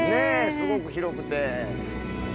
すごく広くて。